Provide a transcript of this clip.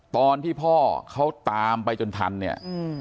ตอนที่พ่อเขาตามไปจนทันเนี่ย